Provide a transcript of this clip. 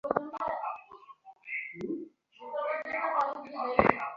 ব্যস এটুকু বলো তুমি কাদের হয়ে কাজ কর?